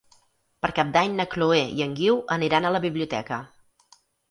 Per Cap d'Any na Chloé i en Guiu aniran a la biblioteca.